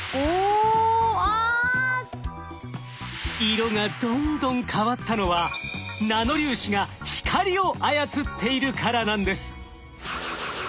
色がどんどん変わったのはナノ粒子が光を操っているからなんです。